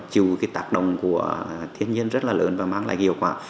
chịu cái tác động của thiên nhiên rất là lớn và mang lại hiệu quả